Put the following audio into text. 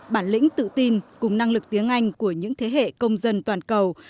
bản lĩnh tự tin cùng năng lực tiếng anh của những thế hệ công dân toàn cầu